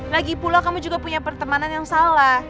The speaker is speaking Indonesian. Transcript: lagi pula kamu juga punya pertemanan yang salah